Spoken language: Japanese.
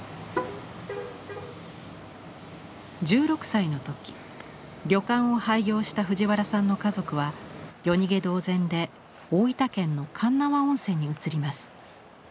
１６歳の時旅館を廃業した藤原さんの家族は夜逃げ同然で大分県の鉄輪温泉に移ります。